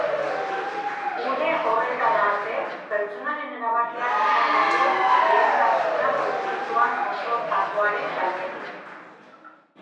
Une horretara arte, pertsonaren erabakiak izango du lehentasuna dokumentuan jasotakoaren gainetik.